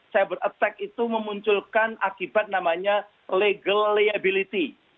cyber attack itu memunculkan akibat namanya legal liability